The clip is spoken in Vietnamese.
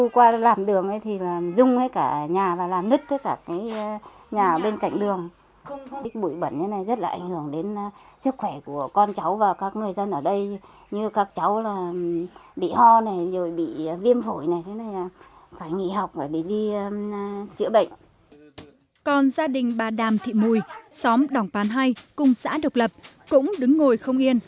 còn gia đình bà đàm thị mùi xóm đảng pán hai cung xã độc lập cũng đứng ngồi không yên